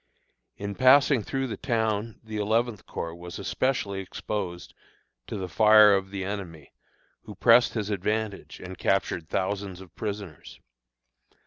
In passing through the town the Eleventh Corps was especially exposed to the fire of the enemy, who pressed his advantage and captured thousands of prisoners.